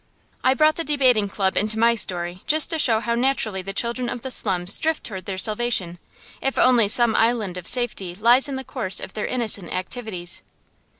I brought the debating club into my story just to show how naturally the children of the slums drift toward their salvation, if only some island of safety lies in the course of their innocent activities.